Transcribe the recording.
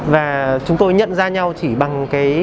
và chúng tôi nhận ra nhau chỉ bằng